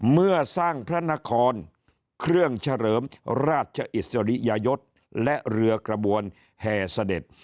เมื่อสร้างพระนครเครื่องเฉลิมราชอิสริยยศและเรือกระบวนแห่เสด็จ